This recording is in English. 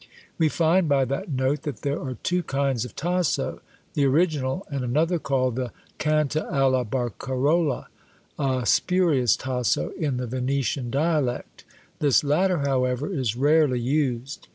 We find by that note that there are two kinds of Tasso; the original, and another called the "Canta alla Barcarola," a spurious Tasso in the Venetian dialect: this latter, however, is rarely used.